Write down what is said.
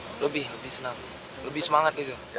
lebih lebih senang lebih semangat gitu